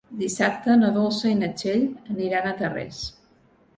Dissabte na Dolça i na Txell aniran a Tarrés.